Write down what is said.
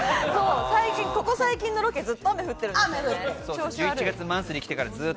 ここ最近のロケ、ずっと雨が降っているんですよね。